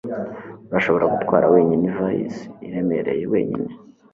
Urashobora gutwara wenyine ivarisi iremereye wenyine